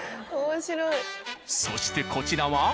そしてこちらは。